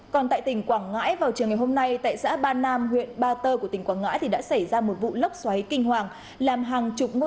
còn tại tỉnh quảng ngãi vào chiều ngày hôm nay tại xã ba nam huyện ba tơ của tỉnh quảng ngãi đã xảy ra một vụ lốc xoáy kinh hoàng